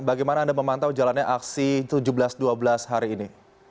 bagaimana anda memantau jalannya aksi tujuh belas dua belas hari ini